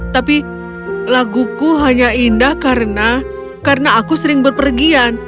tapi laguku hanya indah karena aku sering berpergian